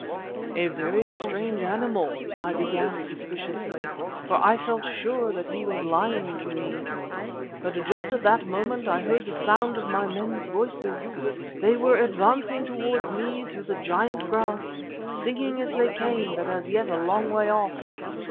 "'A very strange animal,' I began, suspiciously, for I felt sure that he was lying to me. But just at that moment I heard the sound of my men's voices. They were advancing towards me through the giant grass, singing as they came, but as yet a long way off.